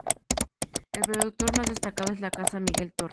El productor más destacado es la casa Miguel Torres.